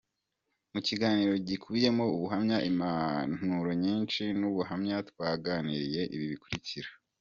Mu kiganiro gikubiyemo ubuhamya, impanuro nyinshi n’ubuhamya twaganiriye ibi bikurikira:.